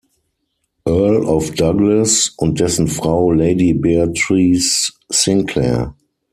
Earl of Douglas, und dessen Frau Lady Beatrice Sinclair.